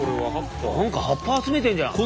何か葉っぱ集めてんじゃん。